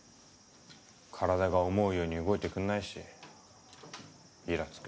体が思うように動いてくんないしいらつくし。